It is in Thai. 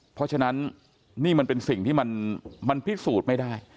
เพราะฉะนั้นนี่มันเป็นสิ่งที่มันพิสูจน์ไม่ได้